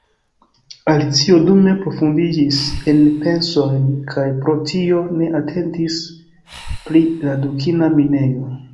Alicio dume profundiĝis en pensojn, kaj pro tio ne atentis pri la dukina minejo.